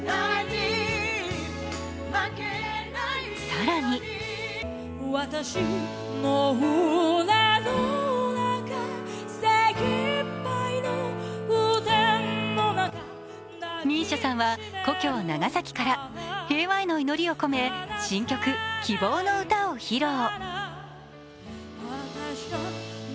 更にＭＩＳＩＡさんは故郷・長崎から平和への祈りを込め、新曲「希望のうた」を披露。